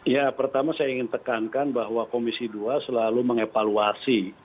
ya pertama saya ingin tekankan bahwa komisi dua selalu mengevaluasi